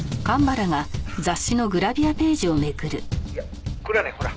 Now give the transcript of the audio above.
「いやこれはねほら